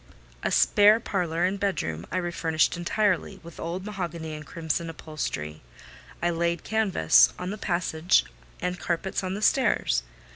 A spare parlour and bedroom I refurnished entirely, with old mahogany and crimson upholstery: I laid canvas on the passage, and carpets on the stairs.